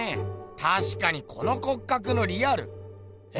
たしかにこの骨格のリアルえ？